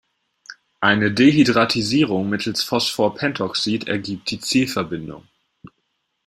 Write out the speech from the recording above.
Eine Dehydratisierung mittels Phosphorpentoxid ergibt die Zielverbindung.